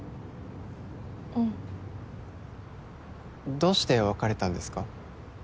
うんどうして別れたんですか？